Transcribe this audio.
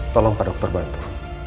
tolong pak dokter bantu